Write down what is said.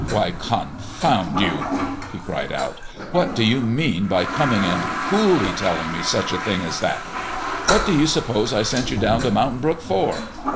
"Why, confound you!" he cried out, "what do you mean by coming and coolly telling me such a thing as that? What do you suppose I sent you down to Mountain Brook for?"